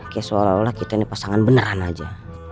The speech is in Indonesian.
kayak seolah olah kita ini pasangan beneran aja